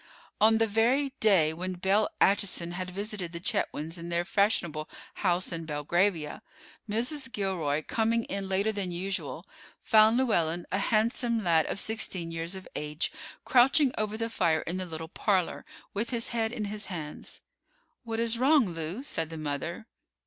On the very day when Belle Acheson had visited the Chetwynds in their fashionable house in Belgravia, Mrs. Gilroy, coming in later than usual, found Llewellyn, a handsome lad of sixteen years of age, crouching over the fire in the little parlor, with his head in his hands. "What is wrong, Lew?" said the mother.